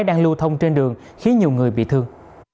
đang lưu thông trên đường khiến nhiều người bị thương